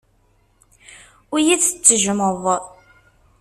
Ur iyi-tettejjmeḍ.